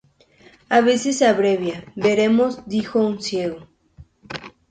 A veces se abrevia: "Veremos, dijo un ciego".